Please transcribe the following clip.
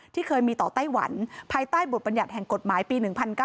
ที่เคยมีต่อไต้หวันภายใต้บทบัญญัติแห่งกฎหมายปี๑๙๙